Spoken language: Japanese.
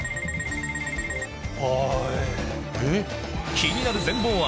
気になる全貌は